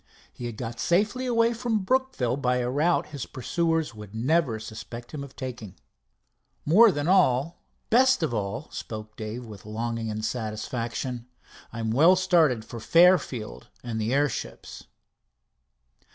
He had got safely away from Brookville by a route his pursuers would never suspect him of taking. "More than all, best of all," spoke Dave with longing and satisfaction, "I'm well started for Fairfield and the airships."